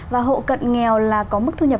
và hộ cận nghèo là có mức thu nhập